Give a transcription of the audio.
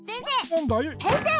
なんだい？